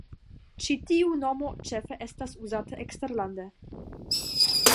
Ĉi tiu nomo ĉefe estos uzata eksterlande.